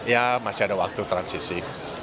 ya masih ada waktu transisi